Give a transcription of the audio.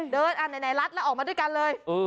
เดินอันไหนรัดแล้วออกมาด้วยกันเลย